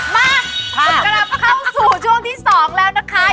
มากลับเข้าสู่ช่วงที่๒แล้วนะคะ